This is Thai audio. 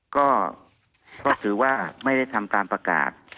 ก็ถือว่าไม่ได้ทำตามประกาศ